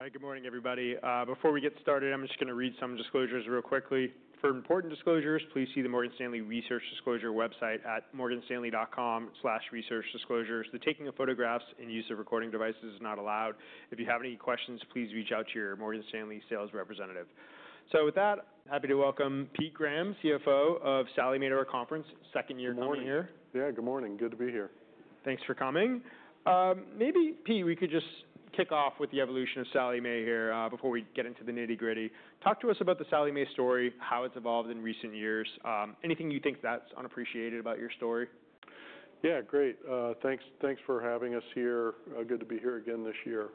All right. Good morning, everybody. Before we get started, I'm just gonna read some disclosures real quickly. For important disclosures, please see the Morgan Stanley Research Disclosure website at morganstanley.com/researchdisclosures. The taking of photographs and use of recording devices is not allowed. If you have any questions, please reach out to your Morgan Stanley sales representative. With that, happy to welcome Pete Graham, CFO of Sallie Mae to our conference. Second year coming here. Good morning. Yeah, good morning. Good to be here. Thanks for coming. Maybe, Pete, we could just kick off with the evolution of Sallie Mae here, before we get into the nitty-gritty. Talk to us about the Sallie Mae story, how it's evolved in recent years. Anything you think that's unappreciated about your story? Yeah, great. Thanks, thanks for having us here. Good to be here again this year.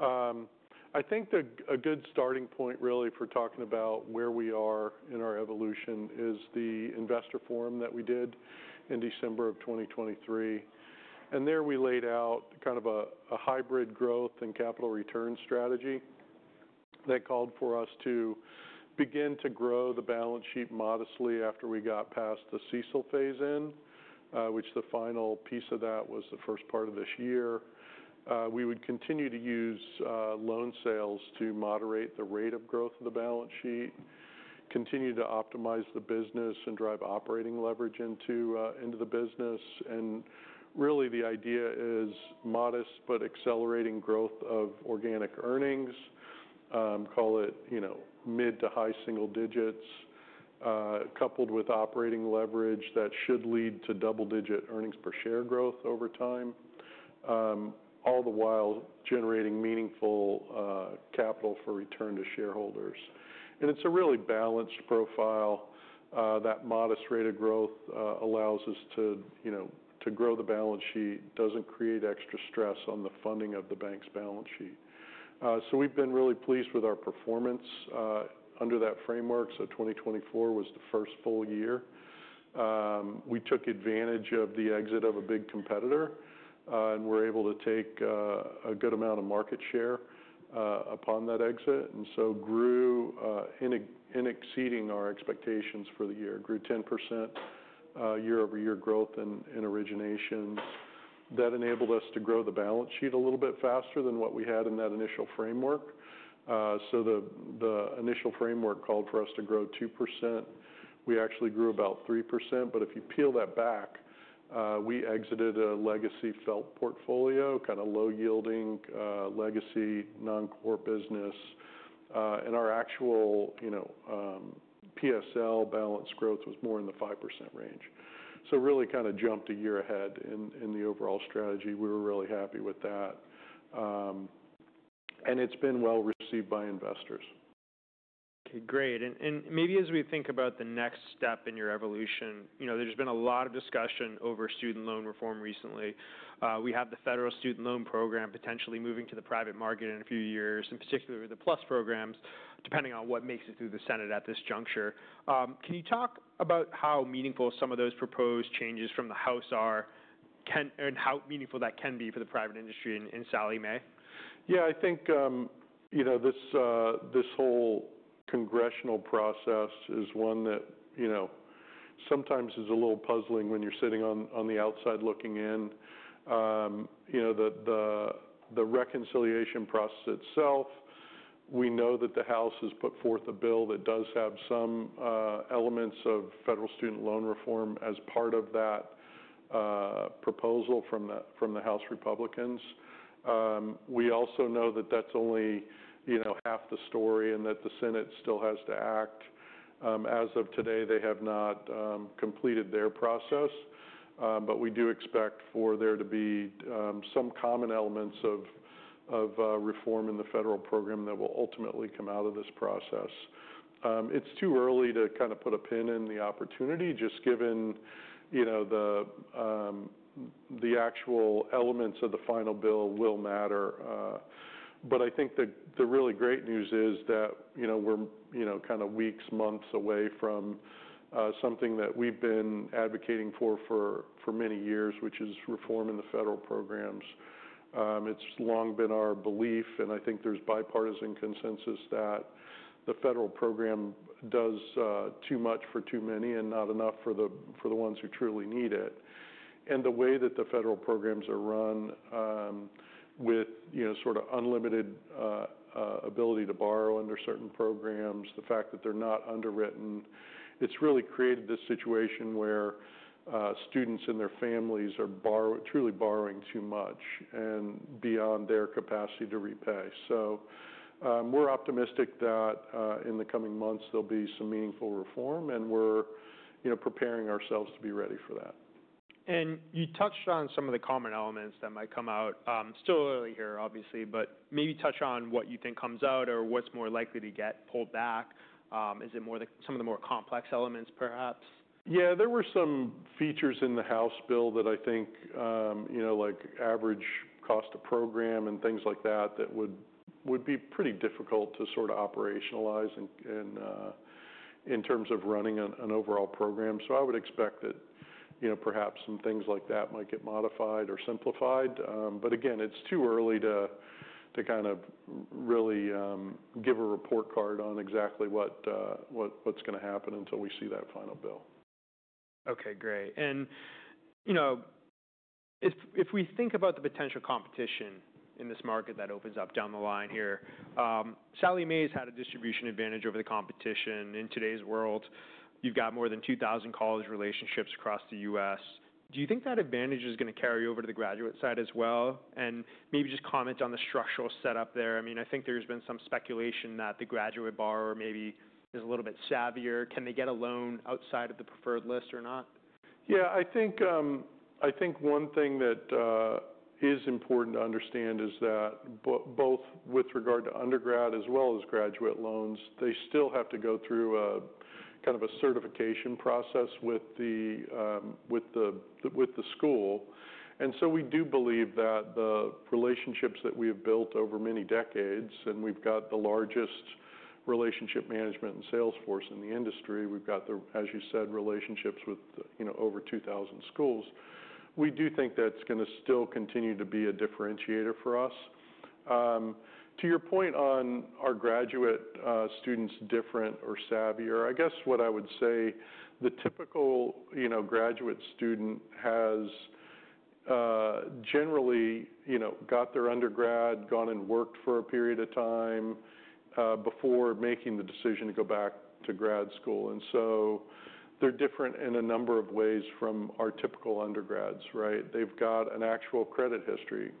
I think a good starting point, really, for talking about where we are in our evolution is the investor forum that we did in December of 2023. There we laid out kind of a hybrid growth and capital return strategy that called for us to begin to grow the balance sheet modestly after we got past the CECL phase-in, which the final piece of that was the first part of this year. We would continue to use loan sales to moderate the rate of growth of the balance sheet, continue to optimize the business, and drive operating leverage into the business. Really, the idea is modest but accelerating growth of organic earnings, call it, you know, mid to high single digits, coupled with operating leverage that should lead to double-digit earnings per share growth over time, all the while generating meaningful capital for return to shareholders. It is a really balanced profile. That modest rate of growth allows us to, you know, to grow the balance sheet, does not create extra stress on the funding of the bank's balance sheet. We have been really pleased with our performance under that framework. 2024 was the first full year. We took advantage of the exit of a big competitor and were able to take a good amount of market share upon that exit. Grew, in exceeding our expectations for the year, grew 10% year-over-year growth in originations. That enabled us to grow the balance sheet a little bit faster than what we had in that initial framework. The initial framework called for us to grow 2%. We actually grew about 3%. If you peel that back, we exited a legacy FFELP portfolio, kinda low-yielding, legacy non-core business. Our actual, you know, PSL balance growth was more in the 5% range. Really kinda jumped a year ahead in the overall strategy. We were really happy with that. It has been well received by investors. Okay, great. And maybe as we think about the next step in your evolution, you know, there's been a lot of discussion over student loan reform recently. We have the federal student loan program potentially moving to the private market in a few years, in particular the PLUS programs, depending on what makes it through the Senate at this juncture. Can you talk about how meaningful some of those proposed changes from the House are, and how meaningful that can be for the private industry in Sallie Mae? Yeah, I think, you know, this whole congressional process is one that, you know, sometimes is a little puzzling when you're sitting on the outside looking in. You know, the reconciliation process itself, we know that the House has put forth a bill that does have some elements of federal student loan reform as part of that proposal from the House Republicans. We also know that that's only, you know, half the story and that the Senate still has to act. As of today, they have not completed their process. But we do expect for there to be some common elements of reform in the federal program that will ultimately come out of this process. It's too early to kinda put a pin in the opportunity, just given, you know, the actual elements of the final bill will matter. I think the really great news is that, you know, we're, you know, kinda weeks, months away from something that we've been advocating for, for many years, which is reform in the federal programs. It's long been our belief, and I think there's bipartisan consensus that the federal program does too much for too many and not enough for the ones who truly need it. The way that the federal programs are run, with, you know, sorta unlimited ability to borrow under certain programs, the fact that they're not underwritten, it's really created this situation where students and their families are truly borrowing too much and beyond their capacity to repay. We're optimistic that, in the coming months, there'll be some meaningful reform, and we're, you know, preparing ourselves to be ready for that. You touched on some of the common elements that might come out. Still early here, obviously, but maybe touch on what you think comes out or what's more likely to get pulled back. Is it more the some of the more complex elements, perhaps? Yeah, there were some features in the House bill that I think, you know, like average cost of program and things like that, that would be pretty difficult to sorta operationalize in terms of running an overall program. I would expect that, you know, perhaps some things like that might get modified or simplified. Again, it's too early to kinda really give a report card on exactly what's gonna happen until we see that final bill. Okay, great. You know, if we think about the potential competition in this market that opens up down the line here, Sallie Mae's had a distribution advantage over the competition. In today's world, you've got more than 2,000 college relationships across the U.S. Do you think that advantage is gonna carry over to the graduate side as well? Maybe just comment on the structural setup there. I mean, I think there's been some speculation that the graduate borrower maybe is a little bit savvier. Can they get a loan outside of the preferred list or not? Yeah, I think one thing that is important to understand is that both with regard to undergrad as well as graduate loans, they still have to go through a kind of a certification process with the school. We do believe that the relationships that we have built over many decades, and we've got the largest relationship management and sales force in the industry. We've got, as you said, relationships with over 2,000 schools. We do think that's gonna still continue to be a differentiator for us. To your point on are graduate students different or savvier, I guess what I would say, the typical, you know, graduate student has generally, you know, got their undergrad, gone and worked for a period of time before making the decision to go back to grad school. They are different in a number of ways from our typical undergrads, right? They have got an actual credit history.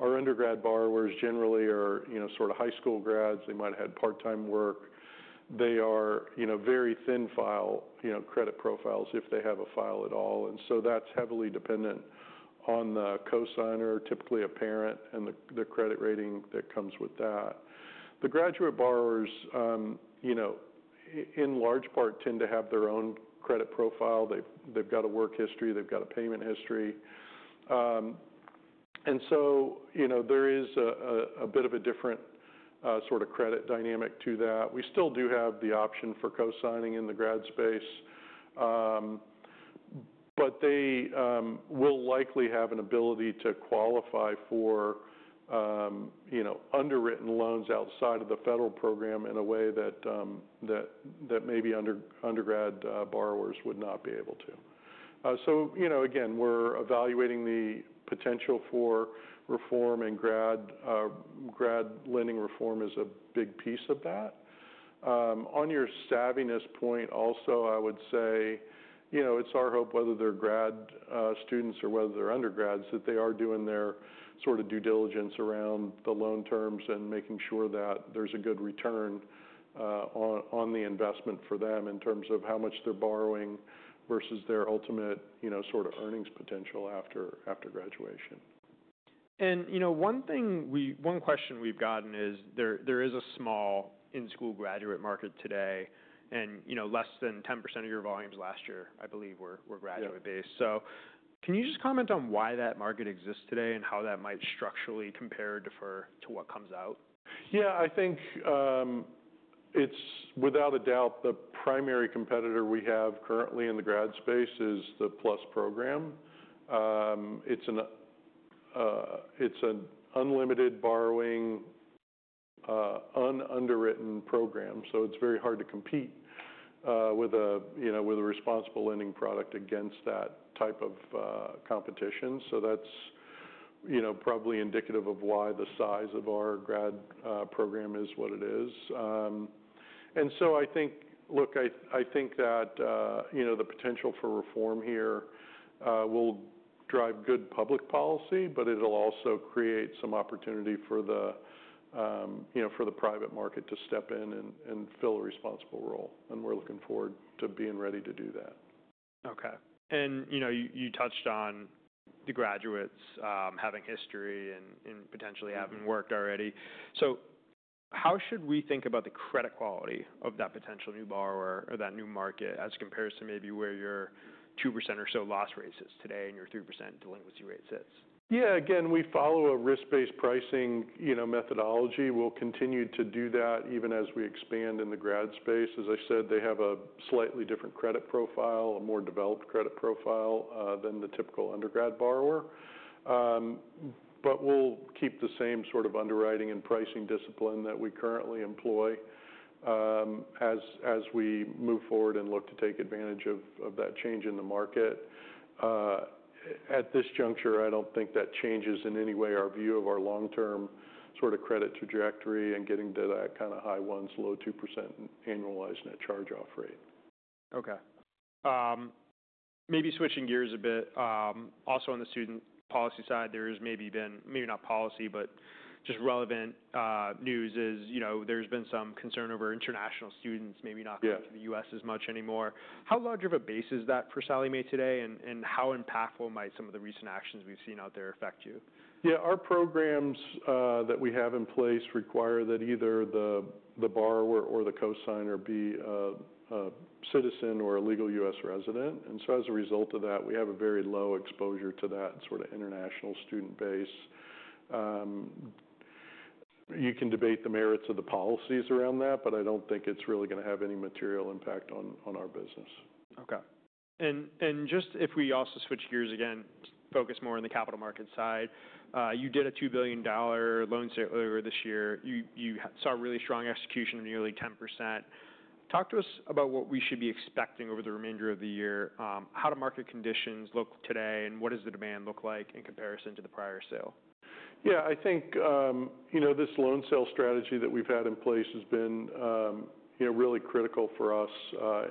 Our undergrad borrowers generally are, you know, sorta high school grads. They might have had part-time work. They are, you know, very thin file, you know, credit profiles, if they have a file at all. That is heavily dependent on the co-signer, typically a parent, and the credit rating that comes with that. The graduate borrowers, you know, in large part tend to have their own credit profile. They have got a work history. They have got a payment history. You know, there is a bit of a different, sorta credit dynamic to that. We still do have the option for co-signing in the grad space. but they will likely have an ability to qualify for, you know, underwritten loans outside of the federal program in a way that maybe undergrad borrowers would not be able to. you know, again, we're evaluating the potential for reform and grad lending reform is a big piece of that. on your savviness point, also, I would say, you know, it's our hope, whether they're grad students or whether they're undergrads, that they are doing their sorta due diligence around the loan terms and making sure that there's a good return on the investment for them in terms of how much they're borrowing versus their ultimate, you know, sorta earnings potential after graduation. You know, one question we've gotten is there is a small in-school graduate market today, and, you know, less than 10% of your volumes last year, I believe, were graduate-based. Can you just comment on why that market exists today and how that might structurally compare or defer to what comes out? Yeah, I think it's without a doubt the primary competitor we have currently in the grad space is the PLUS program. It's an unlimited borrowing, un-underwritten program. So it's very hard to compete, with a, you know, with a responsible lending product against that type of competition. So that's, you know, probably indicative of why the size of our grad program is what it is. I think, look, I think that, you know, the potential for reform here will drive good public policy, but it'll also create some opportunity for the, you know, for the private market to step in and fill a responsible role. We're looking forward to being ready to do that. Okay. And, you know, you touched on the graduates, having history and, and potentially having worked already. How should we think about the credit quality of that potential new borrower or that new market as compares to maybe where your 2% or so loss rate sits today and your 3% delinquency rate sits? Yeah, again, we follow a risk-based pricing, you know, methodology. We'll continue to do that even as we expand in the grad space. As I said, they have a slightly different credit profile, a more developed credit profile, than the typical undergrad borrower. We'll keep the same sorta underwriting and pricing discipline that we currently employ, as we move forward and look to take advantage of that change in the market. At this juncture, I don't think that changes in any way our view of our long-term sorta credit trajectory and getting to that kinda high 1s, low 2% annualized net charge-off rate. Okay. Maybe switching gears a bit, also on the student policy side, there's maybe been, maybe not policy, but just relevant news is, you know, there's been some concern over international students maybe not coming to the U.S. as much anymore. How large of a base is that for Sallie Mae today, and, and how impactful might some of the recent actions we've seen out there affect you? Yeah, our programs that we have in place require that either the borrower or the co-signer be a citizen or a legal U.S. resident. And as a result of that, we have a very low exposure to that sorta international student base. You can debate the merits of the policies around that, but I do not think it is really gonna have any material impact on our business. Okay. And just if we also switch gears again, focus more on the capital market side, you did a $2 billion loan sale earlier this year. You saw really strong execution of nearly 10%. Talk to us about what we should be expecting over the remainder of the year, how do market conditions look today, and what does the demand look like in comparison to the prior sale? Yeah, I think, you know, this loan sale strategy that we've had in place has been, you know, really critical for us,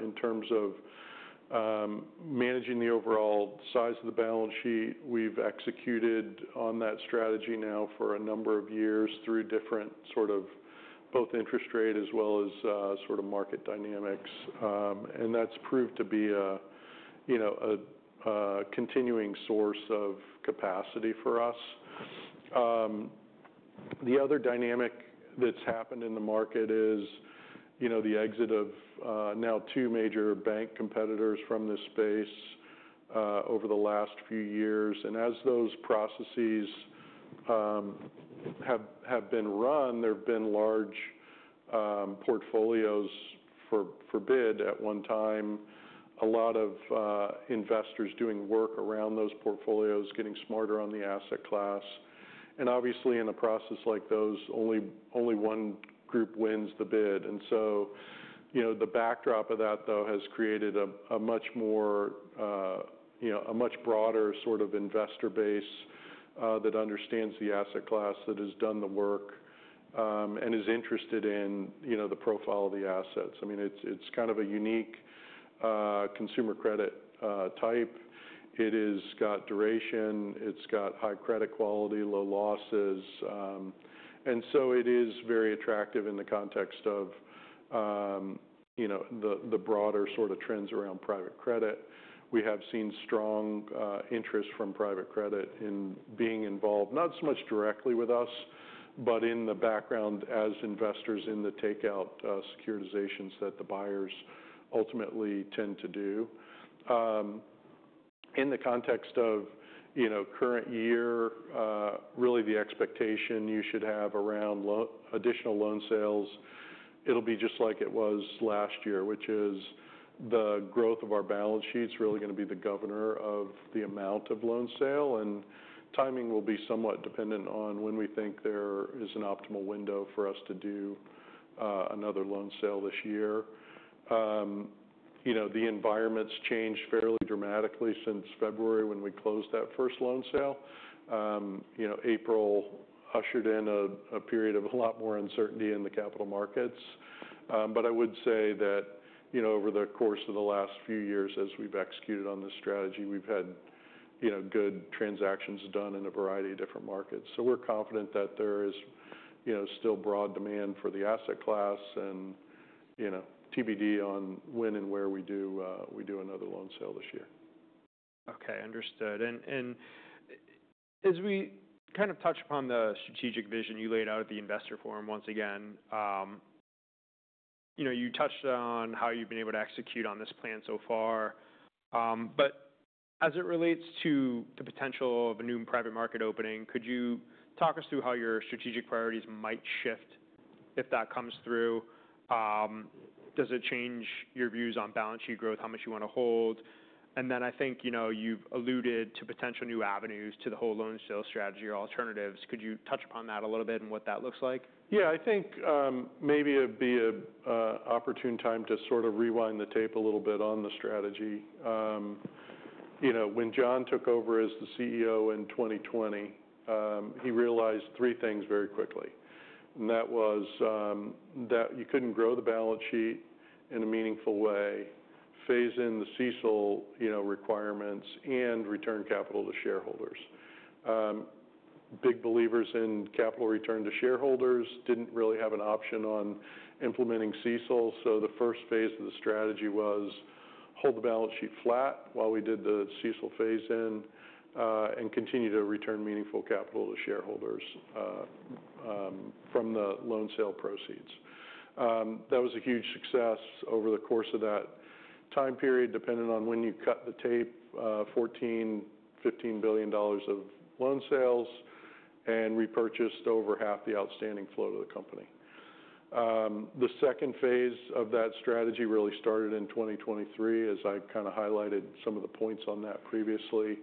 in terms of managing the overall size of the balance sheet. We've executed on that strategy now for a number of years through different sorta both interest rate as well as, sorta market dynamics. That has proved to be a, you know, a continuing source of capacity for us. The other dynamic that's happened in the market is, you know, the exit of now two major bank competitors from this space over the last few years. As those processes have been run, there have been large portfolios for bid at one time, a lot of investors doing work around those portfolios, getting smarter on the asset class. Obviously, in a process like those, only one group wins the bid. You know, the backdrop of that, though, has created a much broader sorta investor base that understands the asset class, that has done the work, and is interested in the profile of the assets. I mean, it's kind of a unique consumer credit type. It has got duration. It's got high credit quality, low losses, and so it is very attractive in the context of the broader sorta trends around private credit. We have seen strong interest from private credit in being involved, not so much directly with us, but in the background as investors in the takeout securitizations that the buyers ultimately tend to do. In the context of, you know, current year, really the expectation you should have around additional loan sales, it'll be just like it was last year, which is the growth of our balance sheet's really gonna be the governor of the amount of loan sale. Timing will be somewhat dependent on when we think there is an optimal window for us to do another loan sale this year. You know, the environment's changed fairly dramatically since February when we closed that first loan sale. You know, April ushered in a period of a lot more uncertainty in the capital markets. I would say that, you know, over the course of the last few years, as we've executed on this strategy, we've had, you know, good transactions done in a variety of different markets. We're confident that there is, you know, still broad demand for the asset class and, you know, TBD on when and where we do another loan sale this year. Okay, understood. As we kind of touched upon the strategic vision you laid out at the investor forum once again, you know, you touched on how you've been able to execute on this plan so far. As it relates to the potential of a new private market opening, could you talk us through how your strategic priorities might shift if that comes through? Does it change your views on balance sheet growth, how much you wanna hold? I think, you know, you've alluded to potential new avenues to the whole loan sale strategy or alternatives. Could you touch upon that a little bit and what that looks like? Yeah, I think, maybe it'd be a opportune time to sorta rewind the tape a little bit on the strategy. You know, when Jon took over as the CEO in 2020, he realized three things very quickly. And that was, that you couldn't grow the balance sheet in a meaningful way, phase in the CECL, you know, requirements, and return capital to shareholders. Big believers in capital return to shareholders didn't really have an option on implementing CECL. So the first phase of the strategy was hold the balance sheet flat while we did the CECL phase in, and continue to return meaningful capital to shareholders, from the loan sale proceeds. That was a huge success over the course of that time period, depending on when you cut the tape, $14 billion-$15 billion of loan sales and repurchased over half the outstanding float of the company. The second phase of that strategy really started in 2023, as I kinda highlighted some of the points on that previously.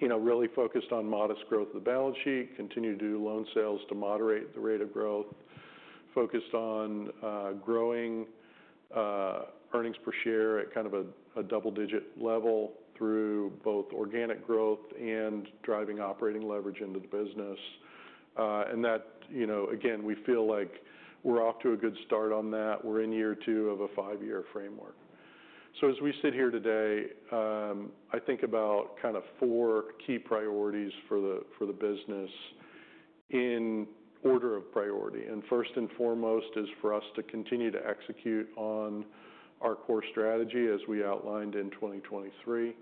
You know, really focused on modest growth of the balance sheet, continued to do loan sales to moderate the rate of growth, focused on, growing, earnings per share at kind of a, a double-digit level through both organic growth and driving operating leverage into the business. That, you know, again, we feel like we're off to a good start on that. We're in year two of a five-year framework. As we sit here today, I think about kinda four key priorities for the, for the business in order of priority. First and foremost is for us to continue to execute on our core strategy as we outlined in 2023,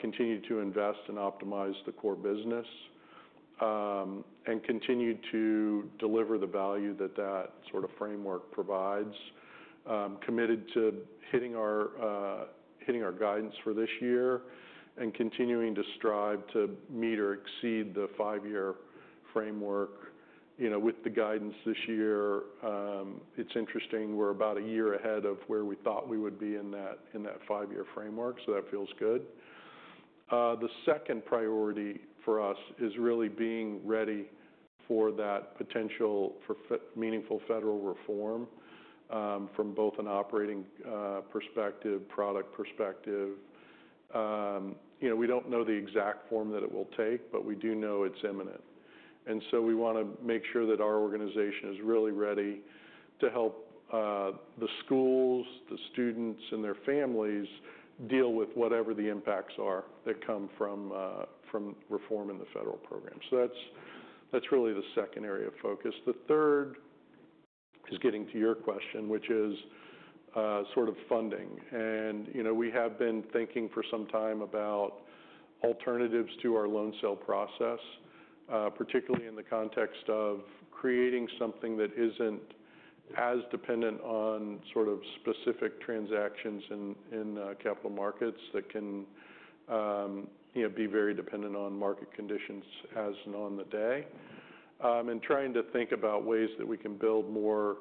continue to invest and optimize the core business, and continue to deliver the value that that sorta framework provides, committed to hitting our guidance for this year and continuing to strive to meet or exceed the five-year framework, you know, with the guidance this year. It's interesting. We're about a year ahead of where we thought we would be in that, in that five-year framework. So that feels good. The second priority for us is really being ready for that potential for meaningful federal reform, from both an operating perspective, product perspective. You know, we don't know the exact form that it will take, but we do know it's imminent. We wanna make sure that our organization is really ready to help the schools, the students, and their families deal with whatever the impacts are that come from reform in the federal program. That is really the second area of focus. The third is getting to your question, which is sorta funding. You know, we have been thinking for some time about alternatives to our loan sale process, particularly in the context of creating something that is not as dependent on sorta specific transactions in capital markets that can be very dependent on market conditions as and on the day, and trying to think about ways that we can build more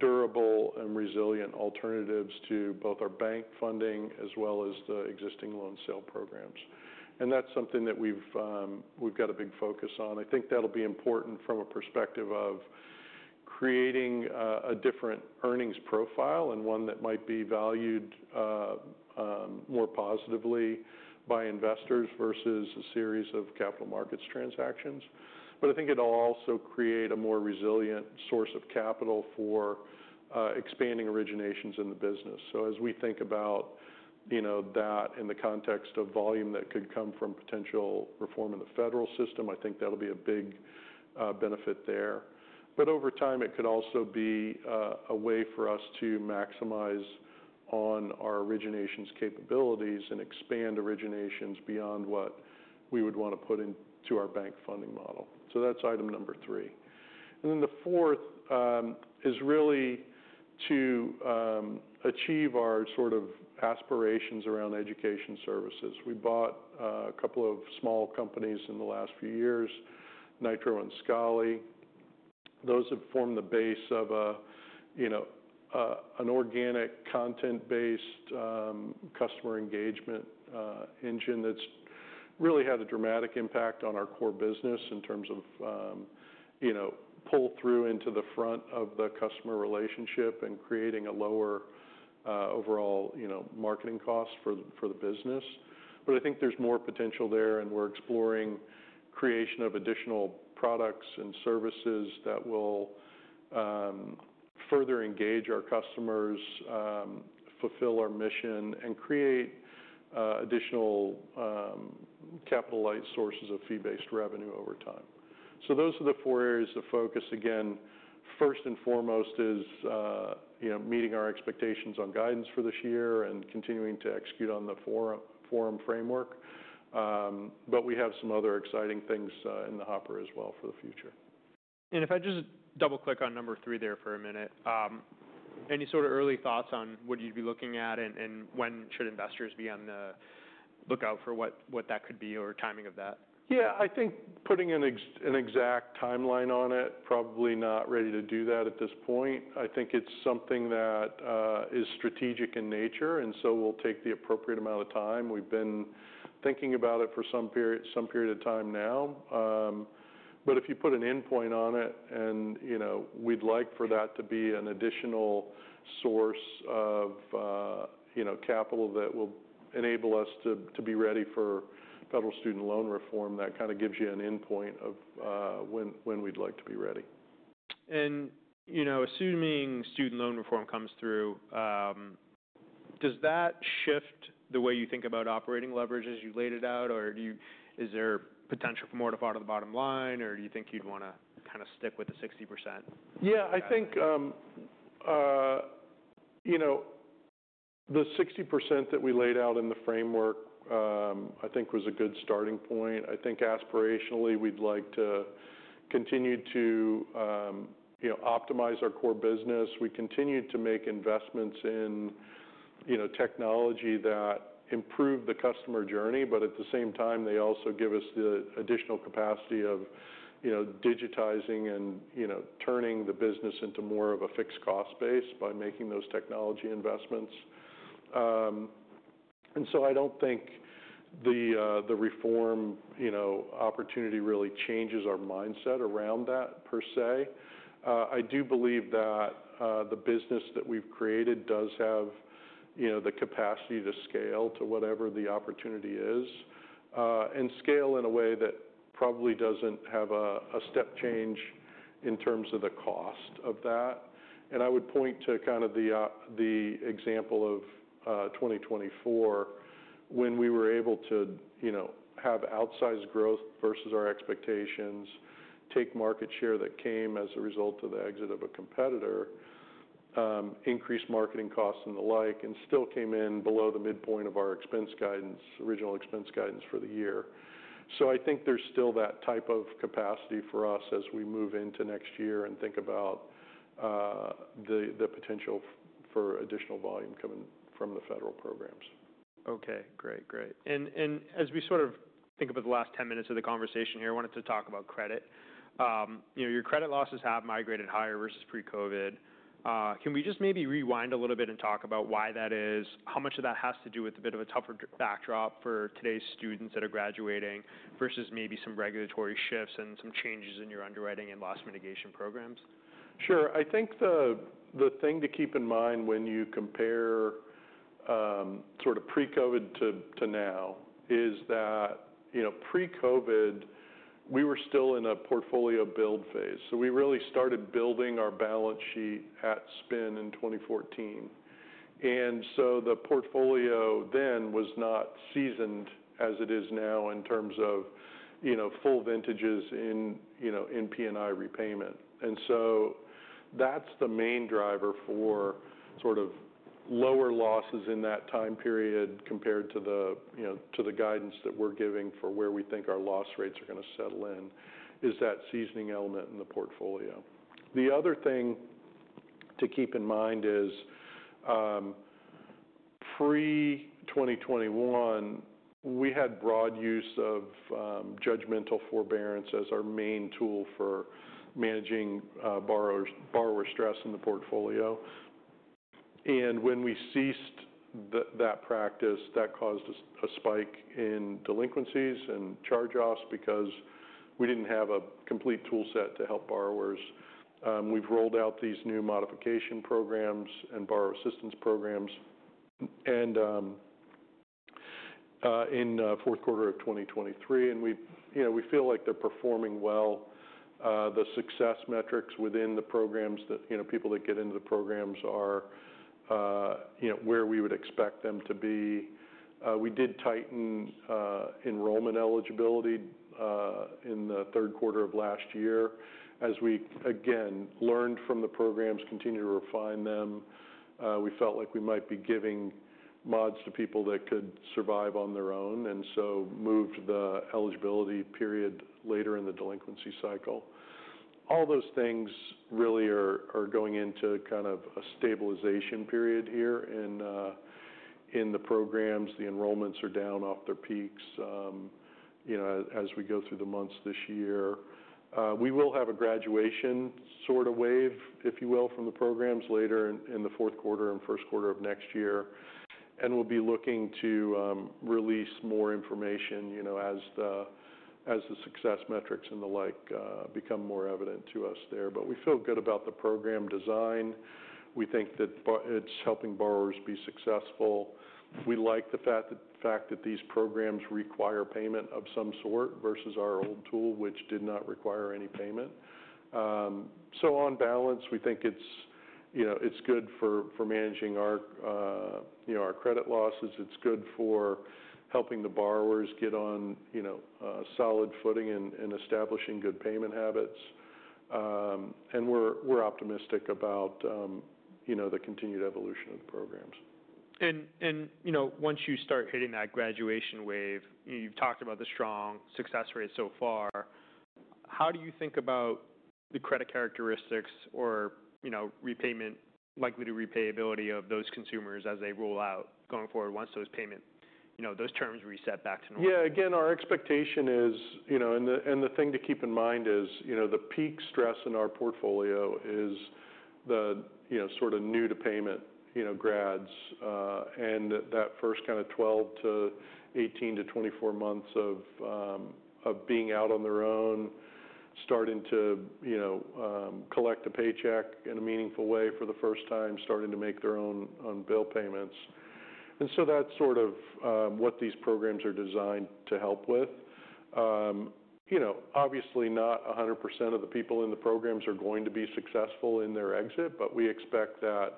durable and resilient alternatives to both our bank funding as well as the existing loan sale programs. That is something that we have got a big focus on. I think that'll be important from a perspective of creating a different earnings profile and one that might be valued more positively by investors versus a series of capital markets transactions. I think it'll also create a more resilient source of capital for expanding originations in the business. As we think about, you know, that in the context of volume that could come from potential reform in the federal system, I think that'll be a big benefit there. Over time, it could also be a way for us to maximize on our originations capabilities and expand originations beyond what we would wanna put into our bank funding model. That's item number three. The fourth is really to achieve our sorta aspirations around education services. We bought a couple of small companies in the last few years, Nitro and Scholly. Those have formed the base of a, you know, an organic content-based, customer engagement engine that's really had a dramatic impact on our core business in terms of, you know, pull through into the front of the customer relationship and creating a lower, overall, you know, marketing cost for, for the business. I think there's more potential there, and we're exploring creation of additional products and services that will further engage our customers, fulfill our mission, and create additional, capital-like sources of fee-based revenue over time. Those are the four areas of focus. Again, first and foremost is, you know, meeting our expectations on guidance for this year and continuing to execute on the forum framework. We have some other exciting things in the hopper as well for the future. If I just double-click on number three there for a minute, any sorta early thoughts on what you'd be looking at, and when should investors be on the lookout for what that could be or timing of that? Yeah, I think putting an exact timeline on it, probably not ready to do that at this point. I think it's something that is strategic in nature, and so we'll take the appropriate amount of time. We've been thinking about it for some period of time now. If you put an endpoint on it and, you know, we'd like for that to be an additional source of, you know, capital that will enable us to be ready for federal student loan reform, that kind of gives you an endpoint of when we'd like to be ready. You know, assuming student loan reform comes through, does that shift the way you think about operating leverage as you laid it out, or is there potential for more to fall to the bottom line, or do you think you'd wanna kinda stick with the 60%? Yeah, I think, you know, the 60% that we laid out in the framework, I think was a good starting point. I think aspirationally we'd like to continue to, you know, optimize our core business. We continue to make investments in, you know, technology that improve the customer journey, but at the same time, they also give us the additional capacity of, you know, digitizing and, you know, turning the business into more of a fixed cost base by making those technology investments. I don't think the reform, you know, opportunity really changes our mindset around that per se. I do believe that the business that we've created does have, you know, the capacity to scale to whatever the opportunity is, and scale in a way that probably doesn't have a step change in terms of the cost of that. I would point to kinda the example of 2024 when we were able to, you know, have outsized growth versus our expectations, take market share that came as a result of the exit of a competitor, increased marketing costs and the like, and still came in below the midpoint of our expense guidance, original expense guidance for the year. I think there is still that type of capacity for us as we move into next year and think about the potential for additional volume coming from the federal programs. Okay, great, great. As we sorta think about the last 10 minutes of the conversation here, I wanted to talk about credit. You know, your credit losses have migrated higher versus pre-COVID. Can we just maybe rewind a little bit and talk about why that is, how much of that has to do with a bit of a tougher backdrop for today's students that are graduating versus maybe some regulatory shifts and some changes in your underwriting and loss mitigation programs? Sure. I think the thing to keep in mind when you compare, sorta pre-COVID to now is that, you know, pre-COVID we were still in a portfolio build phase. We really started building our balance sheet at spin in 2014. The portfolio then was not seasoned as it is now in terms of, you know, full vintages in, you know, in P&I repayment. That is the main driver for sorta lower losses in that time period compared to the, you know, to the guidance that we are giving for where we think our loss rates are gonna settle in is that seasoning element in the portfolio. The other thing to keep in mind is, pre-2021 we had broad use of judgmental forbearance as our main tool for managing borrower stress in the portfolio. When we ceased that practice, that caused a spike in delinquencies and charge-offs because we did not have a complete tool set to help borrowers. We have rolled out these new modification programs and borrower assistance programs in fourth quarter of 2023, and we feel like they are performing well. The success metrics within the programs, that people that get into the programs are where we would expect them to be. We did tighten enrollment eligibility in the third quarter of last year as we again learned from the programs and continue to refine them. We felt like we might be giving mods to people that could survive on their own and so moved the eligibility period later in the delinquency cycle. All those things really are going into kind of a stabilization period here in the programs. The enrollments are down off their peaks, you know, as we go through the months this year. We will have a graduation sorta wave, if you will, from the programs later in, in the fourth quarter and first quarter of next year. We will be looking to release more information, you know, as the, as the success metrics and the like become more evident to us there. We feel good about the program design. We think that it's helping borrowers be successful. We like the fact that these programs require payment of some sort versus our old tool, which did not require any payment. On balance, we think it's, you know, it's good for managing our, you know, our credit losses. It's good for helping the borrowers get on, you know, solid footing and establishing good payment habits. we're optimistic about, you know, the continued evolution of the programs. You know, once you start hitting that graduation wave, you've talked about the strong success rate so far. How do you think about the credit characteristics or, you know, repayment, likely to repayability of those consumers as they roll out going forward once those payment, you know, those terms reset back to normal? Yeah, again, our expectation is, you know, and the thing to keep in mind is, you know, the peak stress in our portfolio is the, you know, sorta new to payment, you know, grads, and that first kinda 12 to 18 to 24 months of being out on their own, starting to, you know, collect a paycheck in a meaningful way for the first time, starting to make their own bill payments. And so that's sorta what these programs are designed to help with. You know, obviously not 100% of the people in the programs are going to be successful in their exit, but we expect that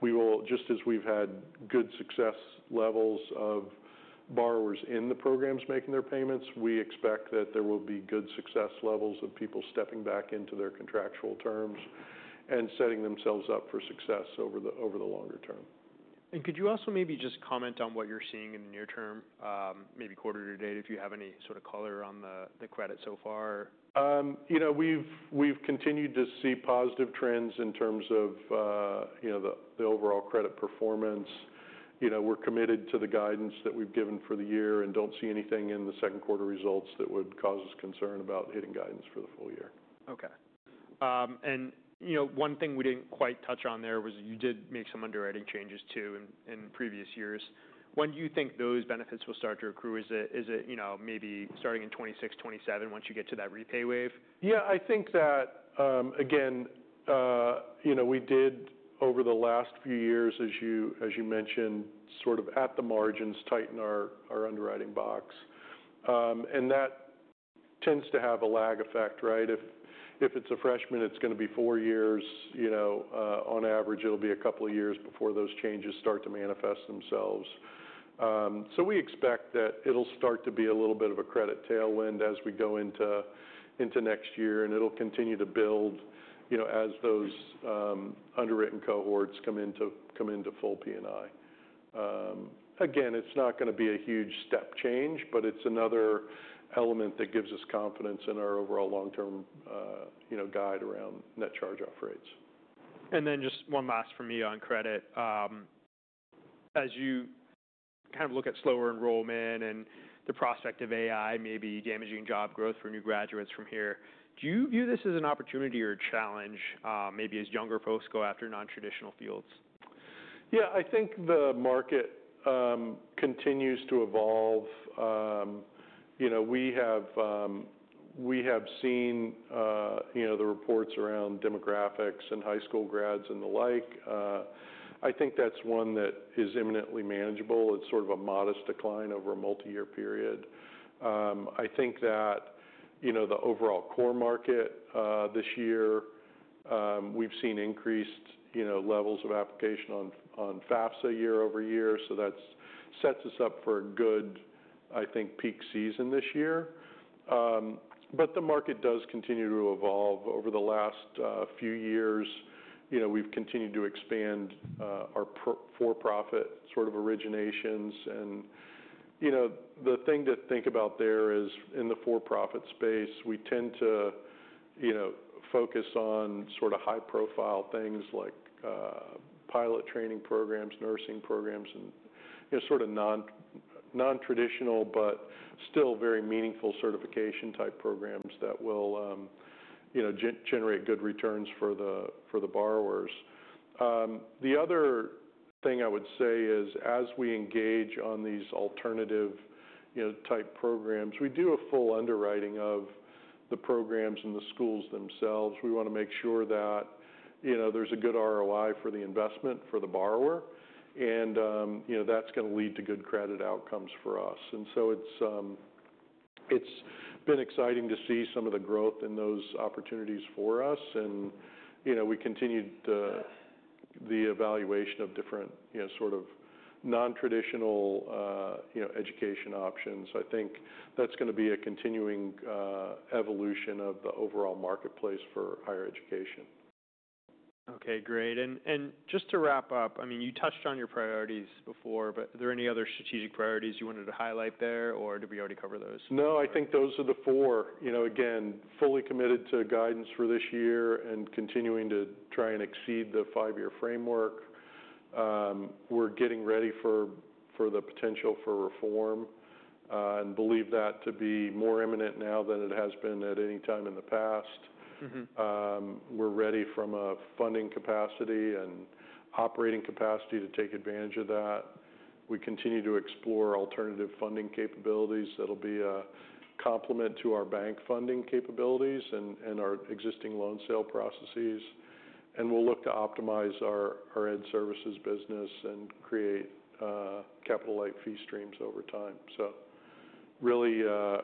we will, just as we've had good success levels of borrowers in the programs making their payments, we expect that there will be good success levels of people stepping back into their contractual terms and setting themselves up for success over the longer term. Could you also maybe just comment on what you're seeing in the near term, maybe quarter to date, if you have any sort of color on the credit so far? You know, we've continued to see positive trends in terms of, you know, the overall credit performance. You know, we're committed to the guidance that we've given for the year and don't see anything in the second quarter results that would cause us concern about hitting guidance for the full year. Okay. And, you know, one thing we didn't quite touch on there was you did make some underwriting changes too in previous years. When do you think those benefits will start to accrue? Is it, is it, you know, maybe starting in 2026, 2027 once you get to that repay wave? Yeah, I think that, again, you know, we did over the last few years, as you mentioned, sort of at the margins tighten our underwriting box. That tends to have a lag effect, right? If it's a freshman, it's gonna be four years, you know, on average, it'll be a couple of years before those changes start to manifest themselves. We expect that it'll start to be a little bit of a credit tailwind as we go into next year, and it'll continue to build, you know, as those underwritten cohorts come into full P&I. Again, it's not gonna be a huge step change, but it's another element that gives us confidence in our overall long-term, you know, guide around net charge-off rates. Just one last from me on credit. As you kind of look at slower enrollment and the prospect of AI maybe damaging job growth for new graduates from here, do you view this as an opportunity or a challenge, maybe as younger folks go after non-traditional fields? Yeah, I think the market continues to evolve. You know, we have seen, you know, the reports around demographics and high school grads and the like. I think that's one that is imminently manageable. It's sort of a modest decline over a multi-year period. I think that, you know, the overall core market, this year, we've seen increased, you know, levels of application on, on FAFSA year-over-year. That sets us up for a good, I think, peak season this year. The market does continue to evolve. Over the last few years, you know, we've continued to expand our pro for-profit sort of originations. You know, the thing to think about there is in the for-profit space, we tend to, you know, focus on sorta high-profile things like pilot training programs, nursing programs, and, you know, sorta non-traditional but still very meaningful certification-type programs that will, you know, generate good returns for the borrowers. The other thing I would say is as we engage on these alternative, you know, type programs, we do a full underwriting of the programs and the schools themselves. We wanna make sure that, you know, there's a good ROI for the investment for the borrower. You know, that's gonna lead to good credit outcomes for us. It's been exciting to see some of the growth in those opportunities for us. You know, we continued the evaluation of different, you know, sorta non-traditional, you know, education options. I think that's gonna be a continuing evolution of the overall marketplace for higher education. Okay, great. And just to wrap up, I mean, you touched on your priorities before, but are there any other strategic priorities you wanted to highlight there, or did we already cover those? No, I think those are the four. You know, again, fully committed to guidance for this year and continuing to try and exceed the five-year framework. We're getting ready for the potential for reform, and believe that to be more imminent now than it has been at any time in the past. Mm-hmm. We're ready from a funding capacity and operating capacity to take advantage of that. We continue to explore alternative funding capabilities that'll be a complement to our bank funding capabilities and our existing loan sale processes. We'll look to optimize our ed services business and create capital-like fee streams over time. Really,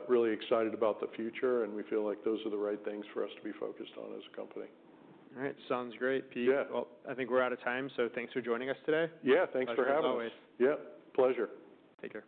really excited about the future, and we feel like those are the right things for us to be focused on as a company. All right, sounds great, Pete. Yeah. I think we're out of time, so thanks for joining us today. Yeah, thanks for having us. As always. Yep, pleasure. Take care.